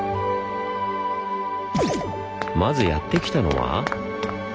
まずやって来たのは。